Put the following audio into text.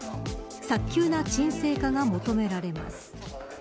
早急な沈静化が求められます。